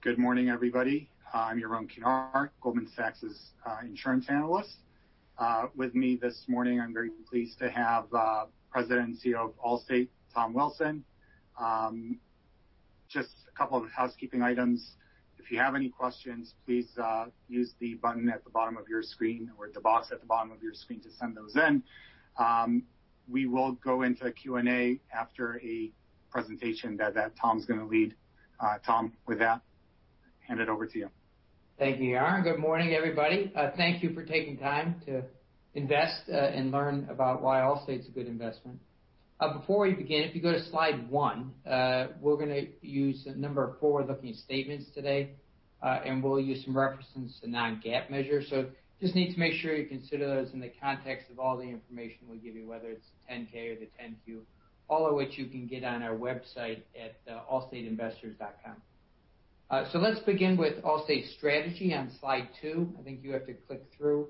Good morning, everybody. I'm Yaron Kinar, Goldman Sachs' insurance analyst. With me this morning, I'm very pleased to have President and CEO of Allstate, Tom Wilson. Just a couple of housekeeping items. If you have any questions, please use the button at the bottom of your screen, or the box at the bottom of your screen to send those in. We will go into Q&A after a presentation that Tom's going to lead. Tom, with that, hand it over to you. Thank you, Yaron. Good morning, everybody. Thank you for taking time to invest and learn about why Allstate's a good investment. Before we begin, if you go to slide one, we're going to use a number of forward-looking statements today, and we'll use some references to non-GAAP measures. Just need to make sure you consider those in the context of all the information we give you, whether it's the 10-K or the 10-Q, all of which you can get on our website at allstateinvestors.com. Let's begin with Allstate's strategy on slide two. I think you have to click through.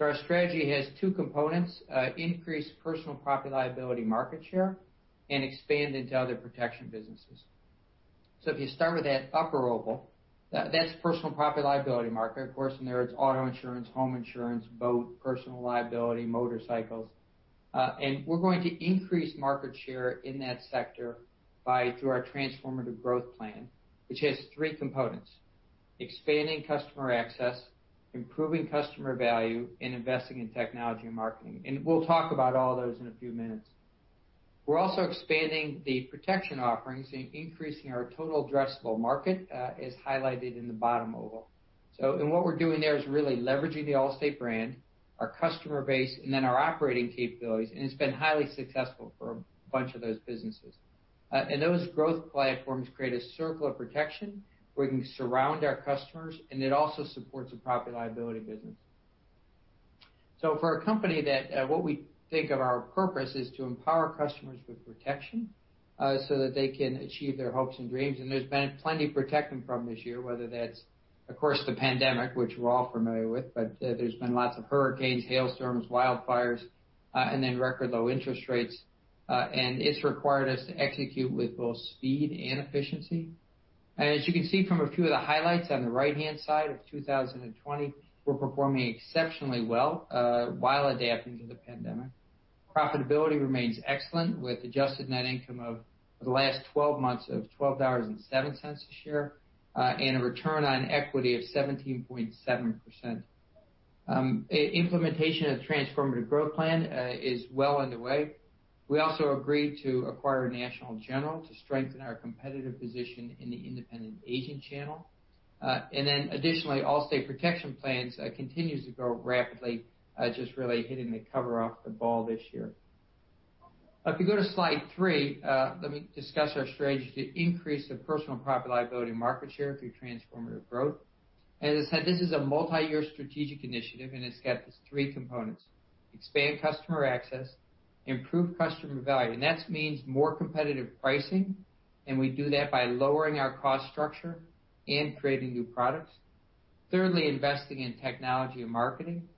Our strategy has two components, increase personal property and liability market share and expand into other protection businesses. If you start with that upper oval, that's personal property and liability market. Of course, in there, it's auto insurance, home insurance, boat, personal liability, motorcycles. We're going to increase market share in that sector through our Transformative Growth Plan, which has three components: expanding customer access, improving customer value, and investing in technology and marketing. We'll talk about all those in a few minutes. We're also expanding the protection offerings and increasing our total addressable market, as highlighted in the bottom oval. What we're doing there is really leveraging the Allstate brand, our customer base, and our operating capabilities, and it's been highly successful for a bunch of those businesses. Those growth platforms create a circle of protection where we can surround our customers, and it also supports the property and liability business. For a company that, what we think of our purpose is to empower customers with protection so that they can achieve their hopes and dreams. There's been plenty to protect them from this year, whether that's, of course, the pandemic, which we're all familiar with, but there's been lots of hurricanes, hailstorms, wildfires, and record low interest rates. It's required us to execute with both speed and efficiency. As you can see from a few of the highlights on the right-hand side of 2020, we're performing exceptionally well while adapting to the pandemic. Profitability remains excellent, with adjusted net income of the last 12 months of $12.07 a share, and a return on equity of 17.7%. Implementation of the Transformative Growth Plan is well underway. We also agreed to acquire National General to strengthen our competitive position in the independent agent channel. Additionally, Allstate Protection Plans continues to grow rapidly, just really hitting the cover off the ball this year. If you go to slide three, let me discuss our strategy to increase the personal property and liability market share through Transformative Growth. As I said, this is a multi-year strategic initiative, and it's got these three components. Expand customer access, improve customer value, and that means more competitive pricing, and we do that by lowering our cost structure and creating new products. Thirdly, investing in technology and marketing.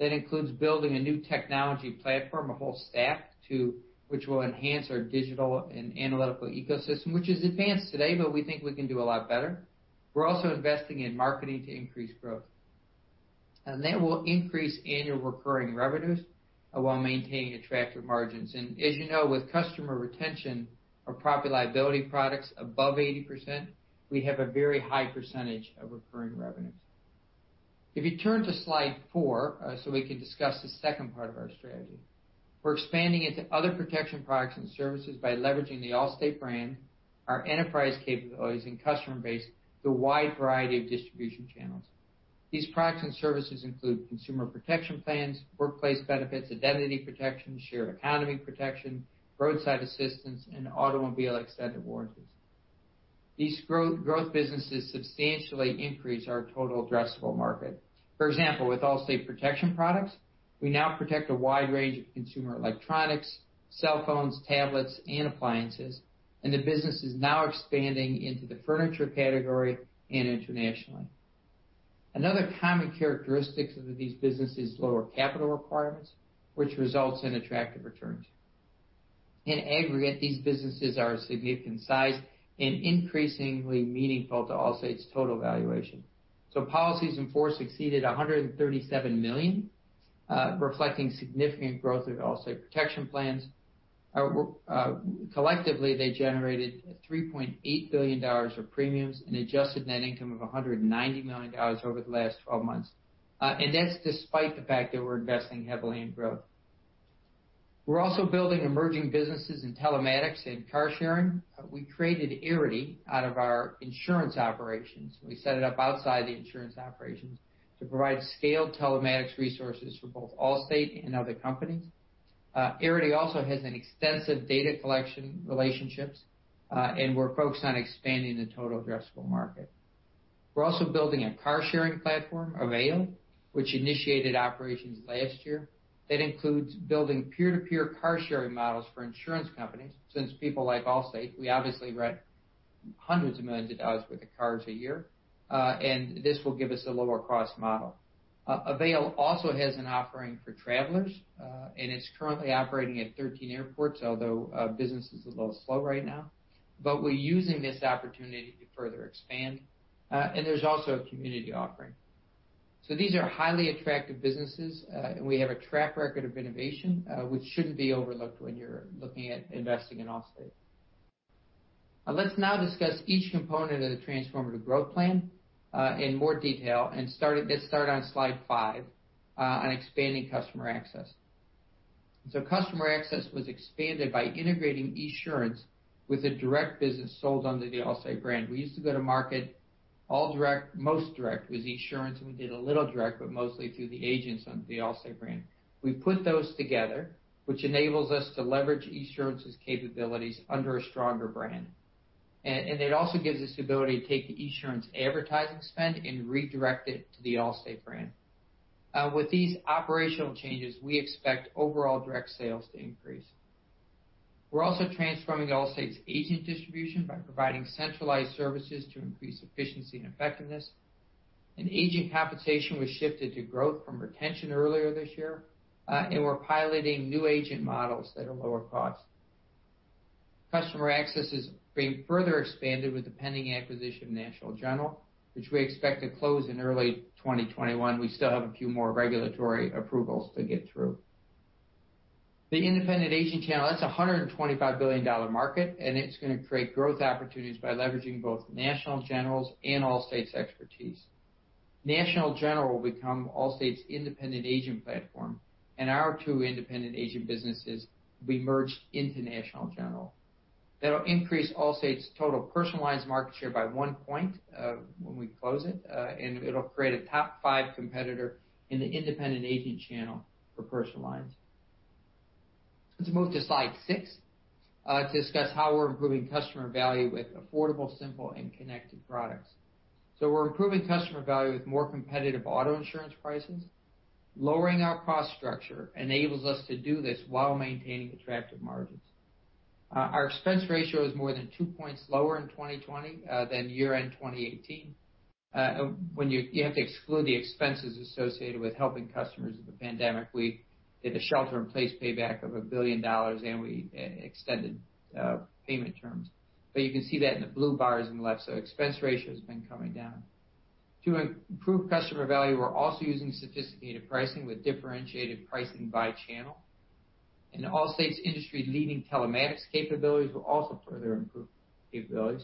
That includes building a new technology platform, a whole stack, which will enhance our digital and analytical ecosystem, which is advanced today, but we think we can do a lot better. We're also investing in marketing to increase growth. That will increase annual recurring revenues while maintaining attractive margins. As you know, with customer retention for property and liability products above 80%, we have a very high percentage of recurring revenues. If you turn to slide four, we can discuss the second part of our strategy. We're expanding into other protection products and services by leveraging the Allstate brand, our enterprise capabilities, and customer base through a wide variety of distribution channels. These products and services include consumer protection plans, workplace benefits, Identity Protection, shared economy protection, roadside assistance, and automobile extended warranties. These growth businesses substantially increase our total addressable market. For example, with Allstate Protection Plans, we now protect a wide range of consumer electronics, cell phones, tablets, and appliances, and the business is now expanding into the furniture category and internationally. Another common characteristic of these businesses is lower capital requirements, which results in attractive returns. In aggregate, these businesses are a significant size and increasingly meaningful to Allstate's total valuation. Policies in force exceeded $137 million, reflecting significant growth of Allstate Protection Plans. Collectively, they generated $3.8 billion of premiums and adjusted net income of $190 million over the last 12 months. That's despite the fact that we're investing heavily in growth. We're also building emerging businesses in telematics and car sharing. We created Arity out of our insurance operations. We set it up outside the insurance operations to provide scaled telematics resources for both Allstate and other companies. Arity also has an extensive data collection relationships, and we're focused on expanding the total addressable market. We're also building a car-sharing platform, Avail, which initiated operations last year. That includes building peer-to-peer car-sharing models for insurance companies, since people like Allstate, we obviously write hundreds of millions of dollars worth of cars a year. This will give us a lower cost model. Avail also has an offering for travelers, and it's currently operating at 13 airports, although business is a little slow right now. We're using this opportunity to further expand. There's also a community offering. These are highly attractive businesses, and we have a track record of innovation, which shouldn't be overlooked when you're looking at investing in Allstate. Let's now discuss each component of the Transformative Growth Plan in more detail, and let's start on slide five on expanding customer access. Customer access was expanded by integrating Esurance with the direct business sold under the Allstate brand. We used to go to market all direct. Most direct was Esurance, and we did a little direct, but mostly through the agents on the Allstate brand. We put those together, which enables us to leverage Esurance's capabilities under a stronger brand. It also gives us the ability to take the Esurance advertising spend and redirect it to the Allstate brand. With these operational changes, we expect overall direct sales to increase. We're also transforming Allstate's agent distribution by providing centralized services to increase efficiency and effectiveness, and agent compensation was shifted to growth from retention earlier this year. We're piloting new agent models that are lower cost. Customer access is being further expanded with the pending acquisition of National General, which we expect to close in early 2021. We still have a few more regulatory approvals to get through. The independent agent channel, that's a $125 billion market, and it's going to create growth opportunities by leveraging both National General's and Allstate's expertise. National General will become Allstate's independent agent platform, and our two independent agent businesses will be merged into National General. That'll increase Allstate's total personal lines market share by one point when we close it, and it'll create a top five competitor in the independent agent channel for personal lines. Let's move to slide six to discuss how we're improving customer value with affordable, simple, and connected products. We're improving customer value with more competitive auto insurance prices. Lowering our cost structure enables us to do this while maintaining attractive margins. Our expense ratio is more than two points lower in 2020 than year-end 2018. When you have to exclude the expenses associated with helping customers with the pandemic, we did a Shelter-in-Place Payback of $1 billion, and we extended payment terms. You can see that in the blue bars on the left, so expense ratio has been coming down. To improve customer value, we're also using sophisticated pricing with differentiated pricing by channel, and Allstate's industry-leading telematics capabilities will also further improve capabilities.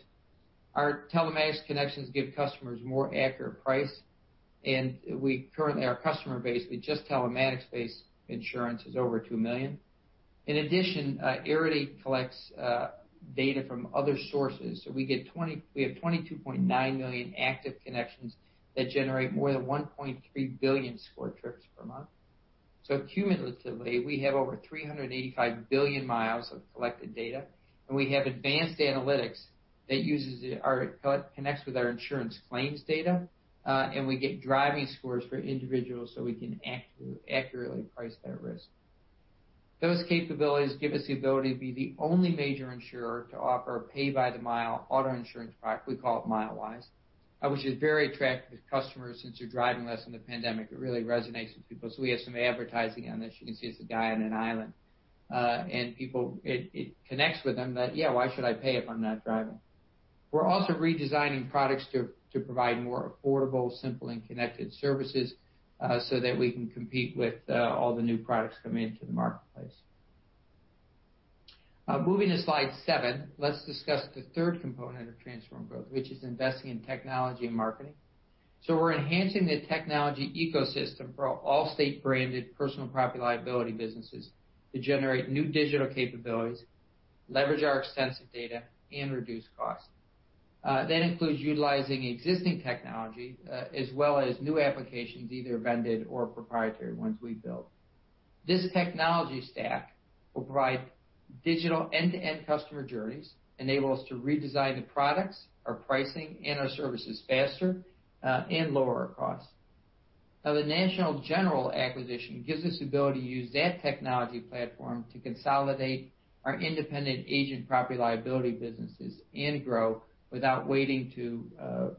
Our telematics connections give customers a more accurate price, and currently, our customer base with just telematics-based insurance is over two million. In addition, Arity collects data from other sources. We have 22.9 million active connections that generate more than 1.3 billion score trips per month. Cumulatively, we have over 385 billion miles of collected data, and we have advanced analytics that connects with our insurance claims data, and we get driving scores for individuals so we can accurately price that risk. Those capabilities give us the ability to be the only major insurer to offer a pay-by-the-mile auto insurance product. We call it Milewise, which is very attractive to customers since they're driving less in the pandemic. It really resonates with people. We have some advertising on this. You can see it's a guy on an island. People, it connects with them that, "Yeah, why should I pay if I'm not driving?" We're also redesigning products to provide more affordable, simple, and connected services so that we can compete with all the new products coming into the marketplace. Moving to slide seven, let's discuss the third component of Transformative Growth, which is investing in technology and marketing. We're enhancing the technology ecosystem for Allstate branded personal property liability businesses to generate new digital capabilities, leverage our extensive data, and reduce costs. That includes utilizing existing technology as well as new applications, either vended or proprietary ones we build. This technology stack will provide digital end-to-end customer journeys, enable us to redesign the products, our pricing, and our services faster, and lower our costs. The National General acquisition gives us the ability to use that technology platform to consolidate our independent agent property liability businesses and grow without waiting to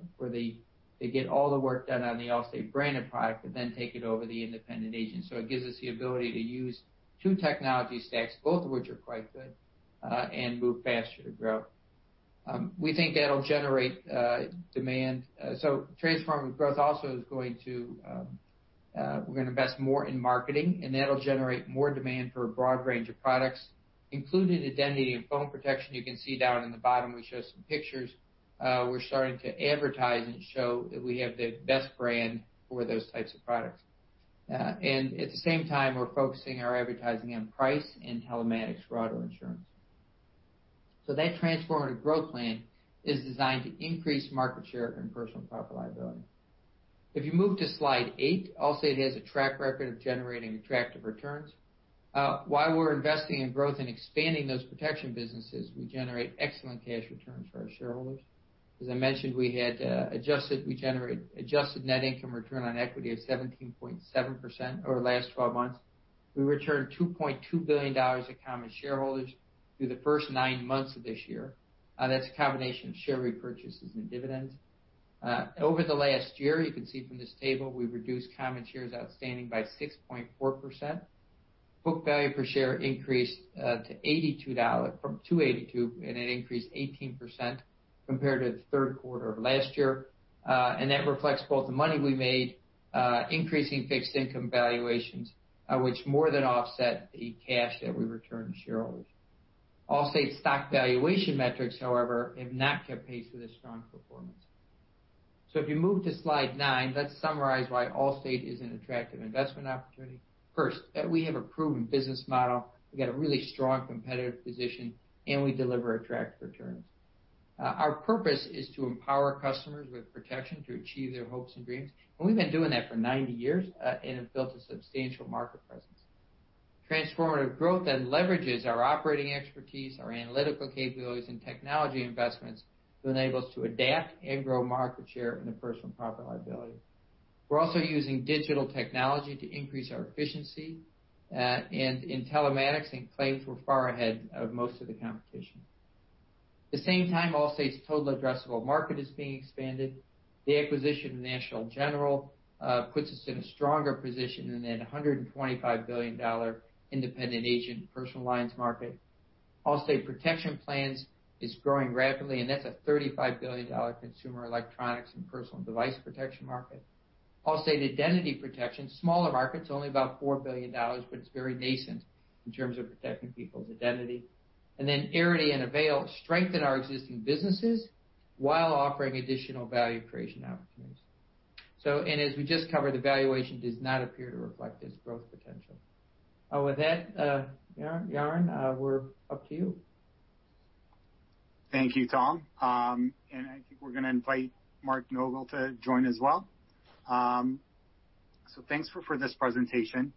get all the work done on the Allstate branded product and then take it over to the independent agents. It gives us the ability to use two technology stacks, both of which are quite good, and move faster to grow. We think that'll generate demand. Transformative Growth also, we're going to invest more in marketing, and that'll generate more demand for a broad range of products, including identity and phone protection. You can see down in the bottom, we show some pictures. We're starting to advertise and show that we have the best brand for those types of products. At the same time, we're focusing our advertising on price and telematics for auto insurance. That Transformative Growth Plan is designed to increase market share in personal property liability. If you move to slide nine, Allstate has a track record of generating attractive returns. While we're investing in growth and expanding those protection businesses, we generate excellent cash returns for our shareholders. As I mentioned, we generate adjusted net income return on equity of 17.7% over the last 12 months. We returned $2.2 billion to common shareholders through the first nine months of this year. That's a combination of share repurchases and dividends. Over the last year, you can see from this table, we've reduced common shares outstanding by 6.4%. Book value per share increased to $82 from $282, and it increased 18% compared to the third quarter of last year. That reflects both the money we made increasing fixed income valuations, which more than offset the cash that we returned to shareholders. Allstate stock valuation metrics, however, have not kept pace with this strong performance. If you move to slide nine, let's summarize why Allstate is an attractive investment opportunity. First, we have a proven business model. We've got a really strong competitive position, and we deliver attractive returns. Our purpose is to empower customers with protection to achieve their hopes and dreams, and we've been doing that for 90 years and have built a substantial market presence. Transformative Growth leverages our operating expertise, our analytical capabilities, and technology investments to enable us to adapt and grow market share in the personal property liability. We're also using digital technology to increase our efficiency, and in telematics and claims, we're far ahead of most of the competition. At the same time, Allstate's total addressable market is being expanded. The acquisition of National General puts us in a stronger position in that $125 billion independent agent personal lines market. Allstate Protection Plans is growing rapidly, and that's a $35 billion consumer electronics and personal device protection market. Allstate Identity Protection, smaller market, it's only about $4 billion, but it's very nascent in terms of protecting people's identity. Arity and Avail strengthen our existing businesses while offering additional value creation opportunities. As we just covered, the valuation does not appear to reflect this growth potential. With that, Yaron, we're up to you. Thank you, Tom. I think we're going to invite Mario Rizzo to join as well. Thanks for this presentation.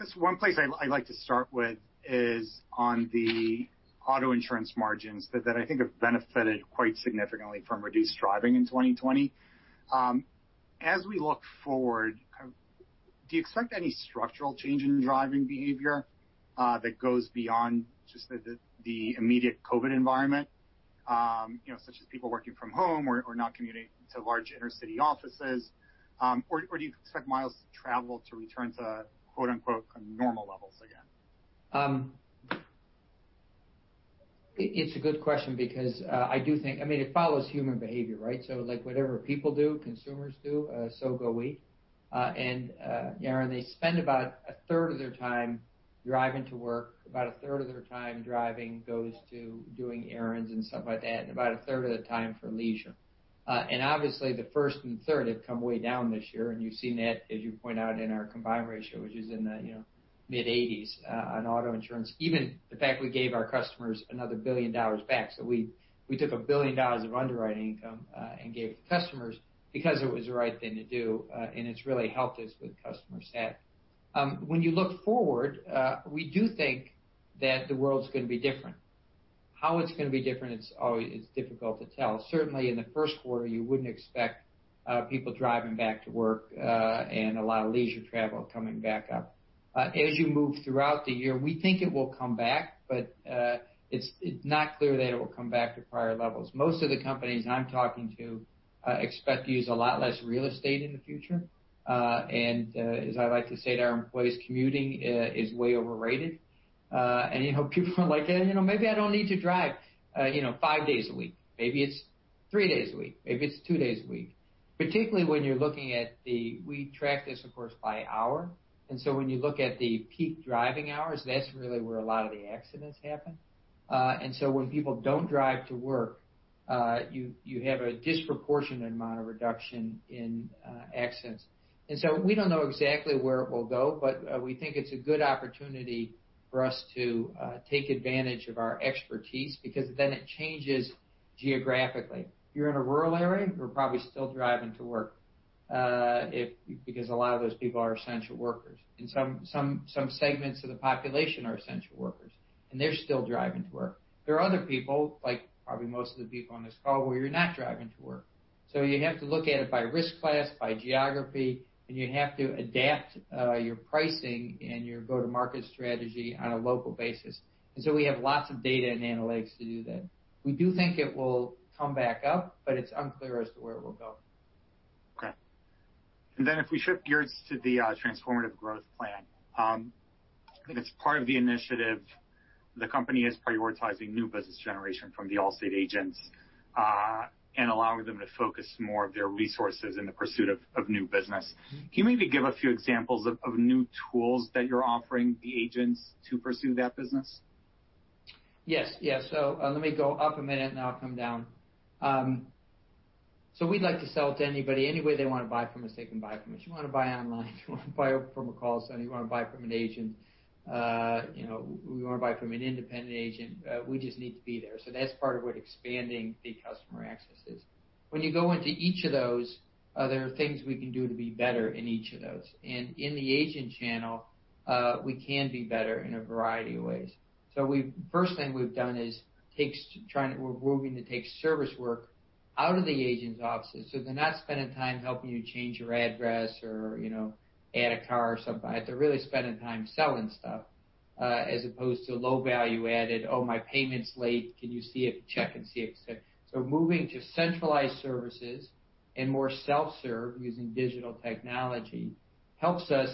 I guess one place I'd like to start with is on the auto insurance margins that I think have benefited quite significantly from reduced driving in 2020. As we look forward, do you expect any structural change in driving behavior that goes beyond just the immediate COVID environment? Such as people working from home or not commuting to large inner-city offices. Do you expect miles traveled to return to quote unquote normal levels again? It's a good question because I do think it follows human behavior, right? Whatever people do, consumers do, so go we. Yaron, they spend about a third of their time driving to work, about a third of their time driving goes to doing errands and stuff like that, and about a third of the time for leisure. Obviously, the first and third have come way down this year, and you've seen that, as you point out, in our combined ratio, which is in the mid-80s on auto insurance. Even the fact we gave our customers another $1 billion back. We took $1 billion of underwriting income and gave it to customers because it was the right thing to do, and it's really helped us with customer sat. When you look forward, we do think that the world's going to be different. How it's going to be different is always difficult to tell. Certainly, in the first quarter, you wouldn't expect people driving back to work and a lot of leisure travel coming back up. As you move throughout the year, we think it will come back, but it's not clear that it will come back to prior levels. Most of the companies I'm talking to expect to use a lot less real estate in the future. As I like to say to our employees, commuting is way overrated. People are like, maybe I don't need to drive five days a week. Maybe it's three days a week. Maybe it's two days a week. Particularly when you're looking at, we track this, of course, by hour. When you look at the peak driving hours, that's really where a lot of the accidents happen. When people don't drive to work, you have a disproportionate amount of reduction in accidents. We don't know exactly where it will go, but we think it's a good opportunity for us to take advantage of our expertise because then it changes geographically. If you're in a rural area, you're probably still driving to work, because a lot of those people are essential workers, and some segments of the population are essential workers, and they're still driving to work. There are other people, like probably most of the people on this call, where you're not driving to work. You have to look at it by risk class, by geography, and you have to adapt your pricing and your go-to-market strategy on a local basis. We have lots of data and analytics to do that. We do think it will come back up, it's unclear as to where it will go. Okay. If we shift gears to the Transformative Growth Plan, I think it's part of the initiative, the company is prioritizing new business generation from the Allstate agents and allowing them to focus more of their resources in the pursuit of new business. Can you maybe give a few examples of new tools that you're offering the agents to pursue that business? Yes. Let me go up a minute, I'll come down. We'd like to sell to anybody. Any way they want to buy from us, they can buy from us. You want to buy online, you want to buy from a call center, you want to buy from an agent, you want to buy from an independent agent, we just need to be there. That's part of what expanding the customer access is. When you go into each of those, there are things we can do to be better in each of those. In the agent channel, we can be better in a variety of ways. First thing we've done is we're working to take service work out of the agents' offices, so they're not spending time helping you change your address or add a car or something like that. They're really spending time selling stuff. As opposed to low value added, oh, my payment's late, can you see it, check and see it? Moving to centralized services and more self-serve using digital technology helps us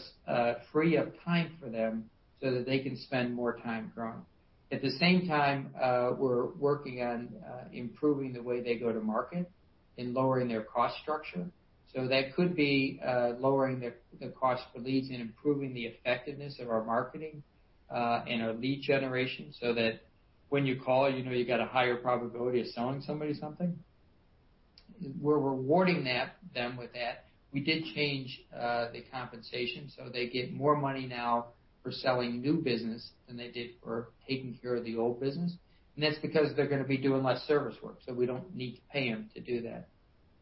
free up time for them so that they can spend more time growing. At the same time, we're working on improving the way they go to market and lowering their cost structure. That could be lowering their cost per leads and improving the effectiveness of our marketing, and our lead generation, so that when you call, you know you've got a higher probability of selling somebody something. We're rewarding them with that. We did change the compensation, so they get more money now for selling new business than they did for taking care of the old business. That's because they're going to be doing less service work, we don't need to pay them to do that.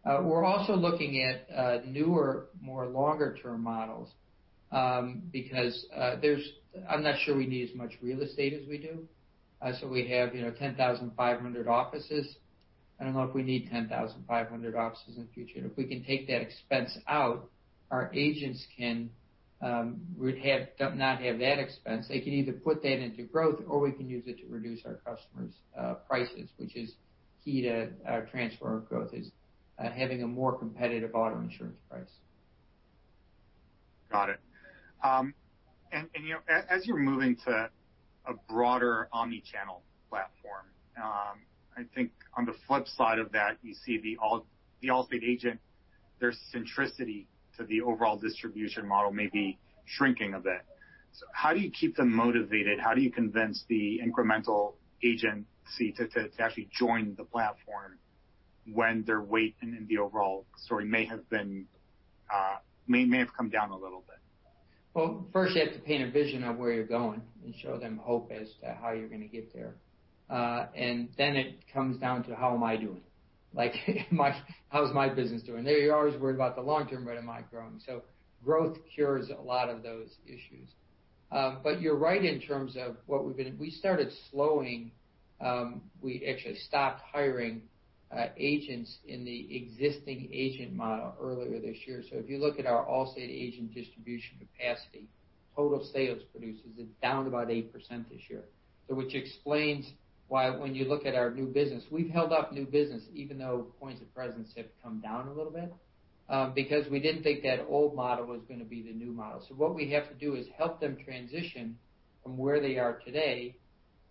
We're also looking at newer, more longer term models, because I'm not sure we need as much real estate as we do. We have 10,500 offices. I don't know if we need 10,500 offices in the future, and if we can take that expense out, our agents can not have that expense. They can either put that into growth or we can use it to reduce our customers' prices, which is key to our Transformative Growth is having a more competitive auto insurance price. Got it. As you're moving to a broader omni-channel platform, I think on the flip side of that, you see the Allstate agent, their centricity to the overall distribution model may be shrinking a bit. How do you keep them motivated? How do you convince the incremental agency to actually join the platform when their weight in the overall story may have come down a little bit? First you have to paint a vision of where you're going and show them hope as to how you're going to get there. Then it comes down to how am I doing? Like, how is my business doing? They are always worried about the long term, but am I growing? Growth cures a lot of those issues. You're right in terms of We started slowing, we actually stopped hiring agents in the existing agent model earlier this year. If you look at our Allstate agent distribution capacity, total sales producers is down about 8% this year. Which explains why when you look at our new business, we've held up new business even though points of presence have come down a little bit, because we didn't think that old model was going to be the new model. What we have to do is help them transition from where they are today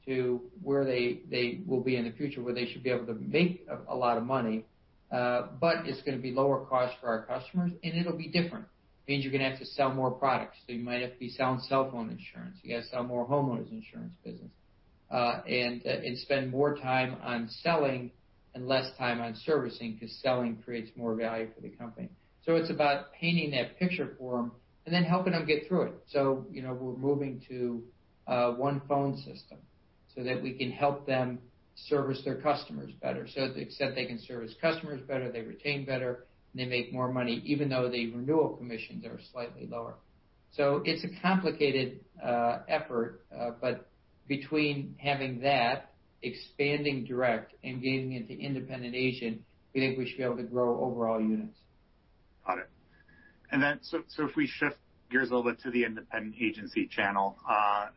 to where they will be in the future, where they should be able to make a lot of money, it's going to be lower cost for our customers, and it'll be different. Means you're going to have to sell more products. You might have to be selling cellphone insurance. You've got to sell more homeowners insurance business. Spend more time on selling and less time on servicing, because selling creates more value for the company. It's about painting that picture for them and then helping them get through it. We're moving to one phone system so that we can help them service their customers better. To the extent they can service customers better, they retain better, and they make more money, even though the renewal commissions are slightly lower. It's a complicated effort. Between having that, expanding direct, and gaining into Independent Agent, we think we should be able to grow overall units. Got it. If we shift gears a little bit to the Independent Agent channel,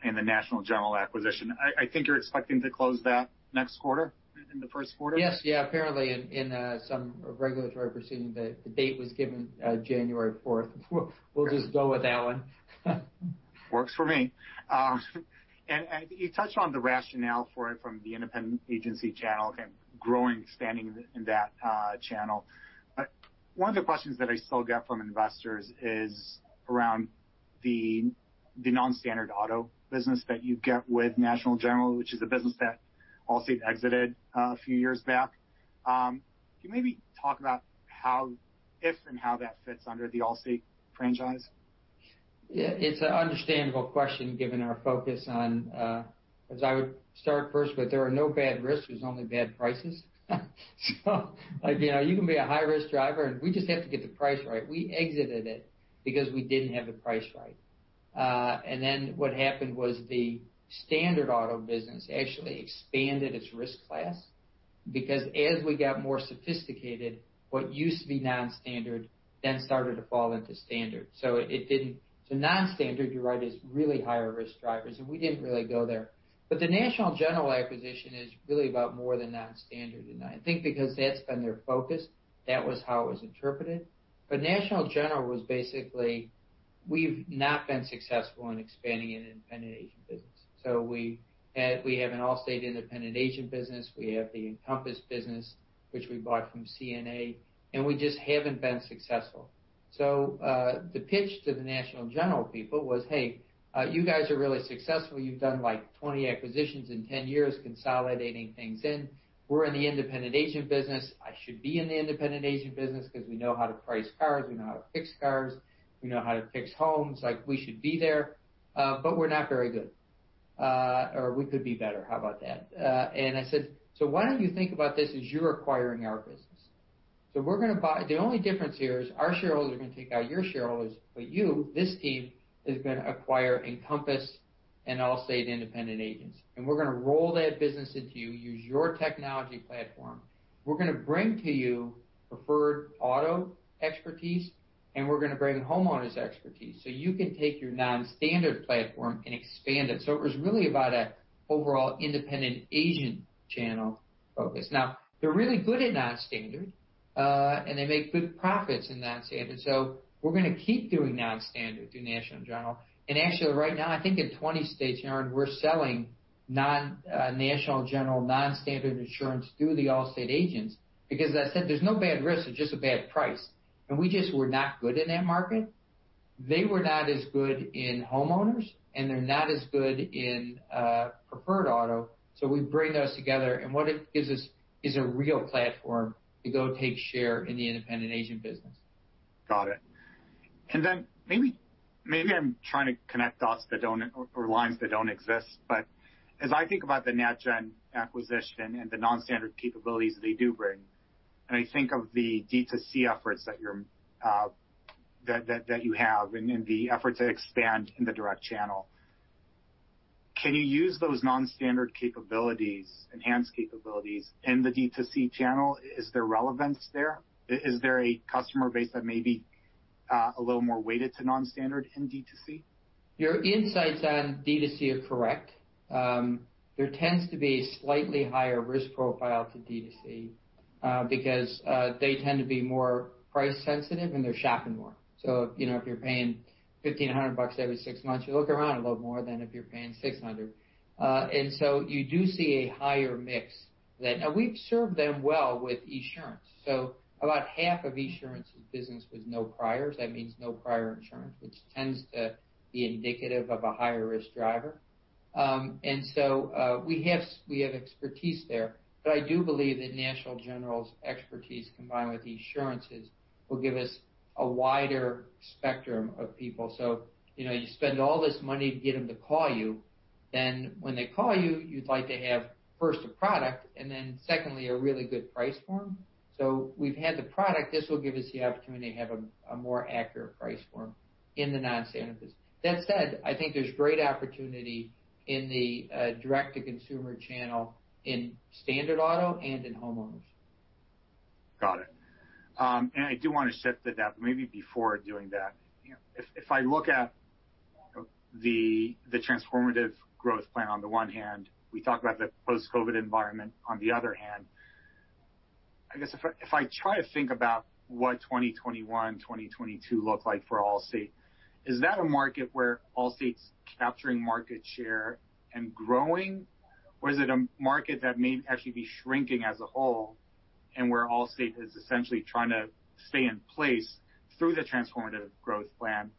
and the National General acquisition, I think you're expecting to close that next quarter, in the first quarter? Yes. Yeah. Apparently, in some regulatory proceeding, the date was given January 4th. We'll just go with that one. Works for me. You touched on the rationale for it from the Independent Agent channel, growing, expanding in that channel. One of the questions that I still get from investors is around the non-standard auto business that you get with National General, which is a business that Allstate exited a few years back. Can you maybe talk about if and how that fits under the Allstate franchise? Yeah, it's an understandable question given our focus on. I would start first with there are no bad risks, there's only bad prices. You can be a high-risk driver, and we just have to get the price right. We exited it because we didn't have the price right. What happened was the standard auto business actually expanded its risk class, because as we got more sophisticated, what used to be non-standard then started to fall into standard. Non-standard, you're right, is really higher risk drivers, and we didn't really go there. The National General acquisition is really about more than non-standard. I think because that's been their focus, that was how it was interpreted. National General was basically, we've not been successful in expanding an independent agent business. We have an Allstate independent agent business, we have the Encompass business, which we bought from CNA, and we just haven't been successful. The pitch to the National General people was, "Hey, you guys are really successful. You've done like 20 acquisitions in 10 years, consolidating things in. We're in the independent agent business. I should be in the independent agent business because we know how to price cars, we know how to fix cars, we know how to fix homes. Like, we should be there, but we're not very good." Or we could be better. How about that? I said, "Why don't you think about this as you're acquiring our business?" The only difference here is our shareholders are going to take out your shareholders, but you, this team, is going to acquire Encompass and Allstate independent agents. We're going to roll that business into you, use your technology platform. We're going to bring to you preferred auto expertise, and we're going to bring homeowners expertise, so you can take your non-standard platform and expand it. It was really about a overall independent agent channel focus. They're really good at non-standard, and they make good profits in non-standard, we're going to keep doing non-standard through National General. Actually, right now, I think in 20 states, Yaron, we're selling National General non-standard insurance through the Allstate agents. As I said, there's no bad risk, there's just a bad price. We just were not good in that market. They were not as good in homeowners, and they're not as good in preferred auto. We bring those together, and what it gives us is a real platform to go take share in the independent agent business. Got it. Maybe I'm trying to connect dots or lines that don't exist, but as I think about the Nat Gen acquisition and the non-standard capabilities they do bring, I think of the D2C efforts that you have and the effort to expand in the direct channel. Can you use those non-standard capabilities, enhanced capabilities in the D2C channel? Is there relevance there? Is there a customer base that may be a little more weighted to non-standard in D2C? Your insights on D2C are correct. There tends to be slightly higher risk profile to D2C, because they tend to be more price sensitive, and they're shopping more. If you're paying $1,500 every six months, you look around a little more than if you're paying $600. You do see a higher mix then. Now, we've served them well with Esurance. About half of Esurance's business was no priors. That means no prior insurance, which tends to be indicative of a higher-risk driver. We have expertise there. I do believe that National General's expertise combined with Esurance's will give us a wider spectrum of people. You spend all this money to get them to call you. When they call you'd like to have first a product, secondly, a really good price form. We've had the product. This will give us the opportunity to have a more accurate price form in the non-standard business. That said, I think there's great opportunity in the direct-to-consumer channel in standard auto and in homeowners. Got it. I do want to shift to that, maybe before doing that, if I look at the Transformative Growth Plan on the one hand, we talk about the post-COVID environment on the other hand. I guess if I try to think about what 2021, 2022 look like for Allstate, is that a market where Allstate's capturing market share and growing? Or is it a market that may actually be shrinking as a whole and where Allstate is essentially trying to stay in place through the Transformative Growth Plan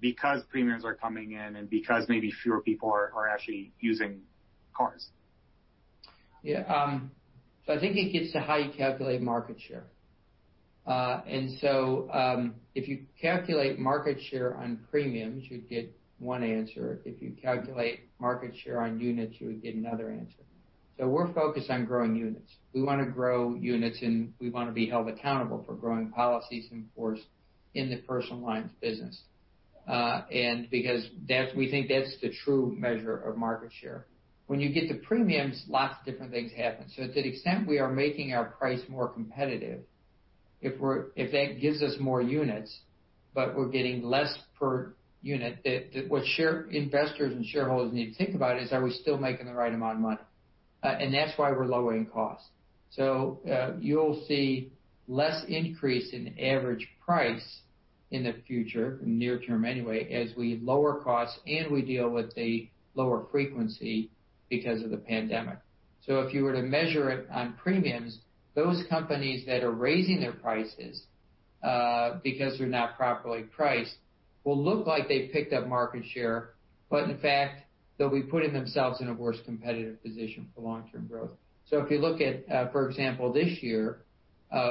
because premiums are coming in and because maybe fewer people are actually using cars? Yeah. I think it gets to how you calculate market share. If you calculate market share on premiums, you'd get one answer. If you calculate market share on units, you would get another answer. We're focused on growing units. We want to grow units, and we want to be held accountable for growing policies, in force, in the personal lines business. Because we think that's the true measure of market share. When you get to premiums, lots of different things happen. To the extent we are making our price more competitive, if that gives us more units, but we're getting less per unit, what investors and shareholders need to think about is, are we still making the right amount of money? That's why we're lowering costs. You'll see less increase in average price in the future, near term anyway, as we lower costs and we deal with a lower frequency because of the pandemic. If you were to measure it on premiums, those companies that are raising their prices because they're not properly priced will look like they've picked up market share, but in fact, they'll be putting themselves in a worse competitive position for long-term growth. If you look at, for example, this year,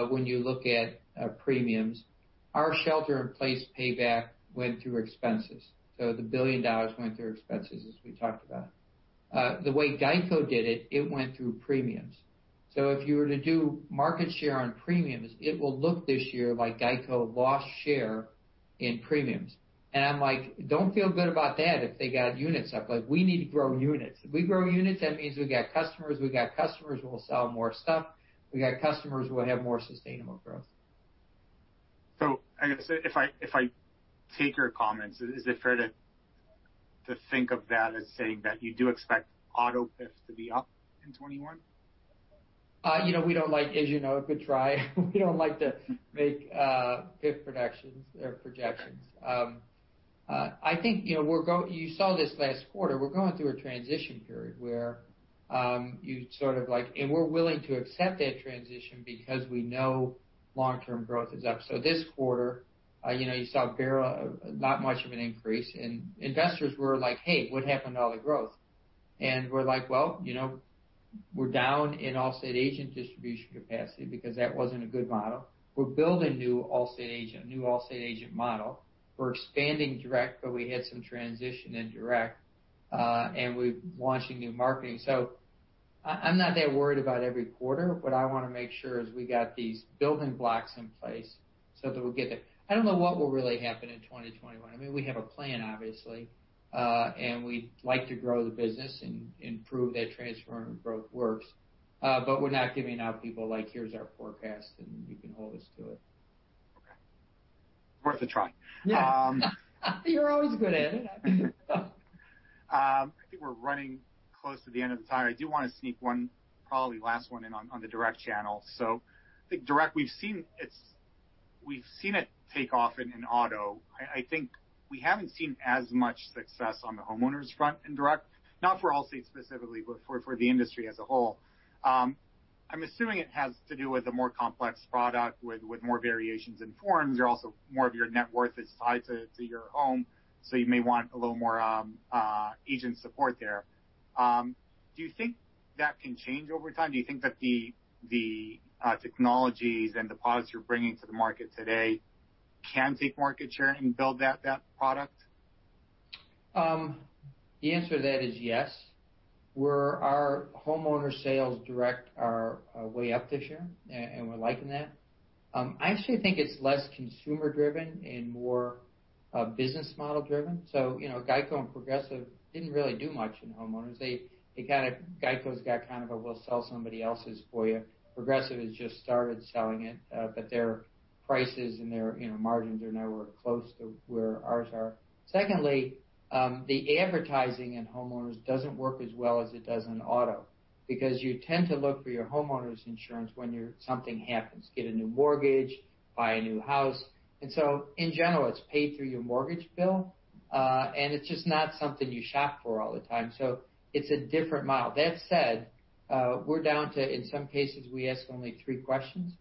when you look at premiums, our Shelter-in-Place Payback went through expenses. The $1 billion went through expenses as we talked about. The way GEICO did it went through premiums. If you were to do market share on premiums, it will look this year like GEICO lost share in premiums. I'm like, "Don't feel good about that if they got units up." We need to grow units. If we grow units, that means we've got customers. We've got customers, we'll sell more stuff. We got customers, we'll have more sustainable growth. I guess if I take your comments, is it fair to think of that as saying that you do expect auto PIF to be up in 2021? As you know, good try. We don't like to make PIF projections or projections. I think you saw this last quarter. We're going through a transition period where you sort of. We're willing to accept that transition because we know long-term growth is up. This quarter, you saw PIF, not much of an increase, and investors were like, "Hey, what happened to all the growth?" We're like, "Well, we're down in Allstate agent distribution capacity because that wasn't a good model. We're building new Allstate agent model. We're expanding direct, but we had some transition in direct." We're launching new marketing. I'm not that worried about every quarter, what I want to make sure is we got these building blocks in place so that we'll get there. I don't know what will really happen in 2021. I mean, we have a plan, obviously. We'd like to grow the business and prove that Transformative Growth works. We're not giving our people, like, "Here's our forecast, and you can hold us to it. Okay. Worth a try. Yeah. You're always good at it. I think we're running close to the end of the time. I do want to sneak one, probably last one in on the direct channel. I think direct, we've seen it take off in auto. I think we haven't seen as much success on the homeowners front in direct, not for Allstate specifically, but for the industry as a whole. I'm assuming it has to do with a more complex product with more variations in forms. Also, more of your net worth is tied to your home, so you may want a little more agent support there. Do you think that can change over time? Do you think that the technologies and the products you're bringing to the market today can take market share and build that product? The answer to that is yes. Our homeowner sales direct are way up this year, and we're liking that. I actually think it's less consumer driven and more business model driven. GEICO and Progressive didn't really do much in homeowners. GEICO's got kind of a we'll sell somebody else's for you. Progressive has just started selling it, but their prices and their margins are nowhere close to where ours are. Secondly, the advertising in homeowners doesn't work as well as it does in auto because you tend to look for your homeowners insurance when something happens, get a new mortgage, buy a new house. In general, it's paid through your mortgage bill, and it's just not something you shop for all the time. It's a different model. That said, we're down to, in some cases, we ask only three questions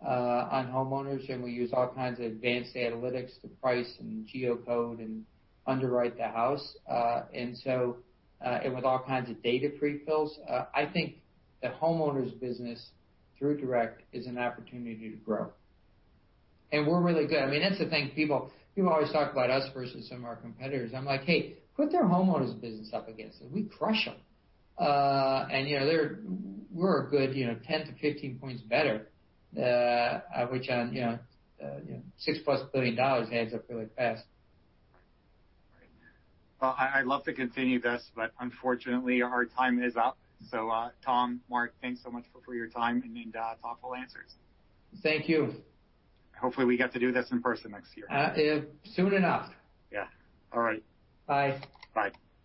on homeowners, and we use all kinds of advanced analytics to price and geocode and underwrite the house. With all kinds of data pre-fills. I think the homeowners business through direct is an opportunity to grow. We're really good. That's the thing, people always talk about us versus some of our competitors. I'm like, "Hey, put their homeowners business up against it." We crush them. We're a good 10-15 points better, which on $6+ billion adds up really fast. Right. Well, I'd love to continue this, but unfortunately, our time is up. Tom, Mark, thanks so much for your time and thoughtful answers. Thank you. Hopefully, we get to do this in person next year. Soon enough. Yeah. All right. Bye. Bye.